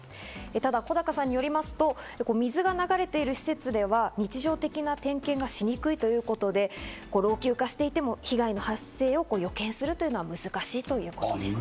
ただ小高さんによりますと水が流れている施設では日常的な点検がしにくいということで、老朽化していても被害の発生を予見するというのは難しいということです。